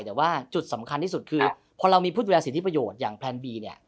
แต่ว่าจุดสำคัญที่สุดคือพอเรามีผู้ดูแลสิทธิประโยชน์อย่างแพลนบีเนี่ย